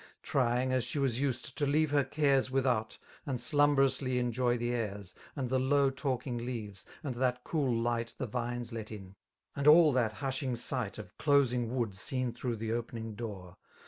Trying, as she was used, to leave her cares Without, and 6lumb(»K>uflly eojoy the airs^ And the low talking leaves, and that cool light The vines let in, and all that huahing sight 78 Of doria^'wood seen through.the opening door.